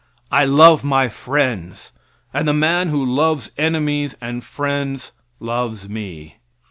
I love my friends, and the man who loves enemies and friends loves me.